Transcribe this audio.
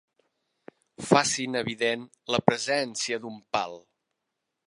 Facin evident la presència d'un pal.